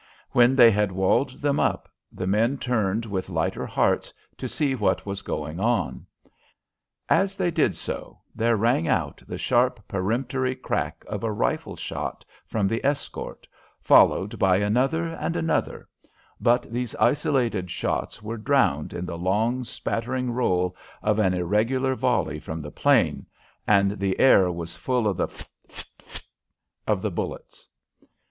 When they had walled them up, the men turned with lighter hearts to see what was going on. As they did so there rang out the sharp, peremptory crack of a rifleshot from the escort, followed by another and another, but these isolated shots were drowned in the long, spattering roll of an irregular volley from the plain, and the air was full of the phit phit phit of the bullets.